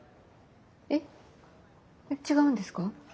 えっ違うんですか？